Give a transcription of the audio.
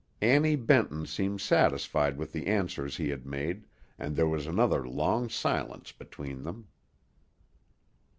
Annie Benton seemed satisfied with the answers he had made, and there was another long silence between them.